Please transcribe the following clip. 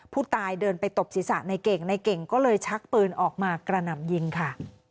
ผู้ตายเดินไปตบศีรษะในเก่งในเก่งก็เลยชักปืนออกมากระหน่ำยิงค่ะ